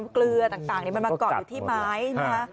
เกลือต่างมันมาเกาะอยู่ที่ไม้นะคะ